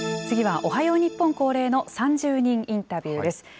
次はおはよう日本恒例の３０人インタビューです。